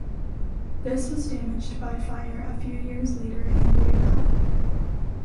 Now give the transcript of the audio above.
This was damaged by fire a few years later and rebuilt.